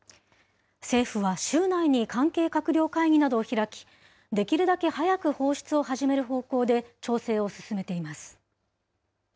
政府は週内に関係閣僚会議などを開き、できるだけ早く放出を始める方向で調整を進めています。